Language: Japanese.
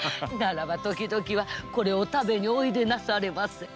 ならば時々はこれを食べにおいでなされませ。